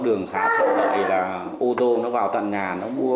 thường xá tự lợi là ô tô nó vào tận nhà nó mua